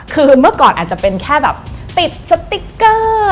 คือเมื่อก่อนอาจจะเป็นแค่แบบติดสติ๊กเกอร์